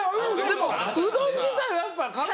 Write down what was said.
でもうどん自体はやっぱ香川。